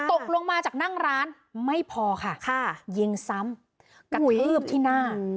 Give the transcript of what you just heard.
ตกลงมาจากนั่งร้านไม่พอค่ะยิงซ้ำกระทืบที่หน้า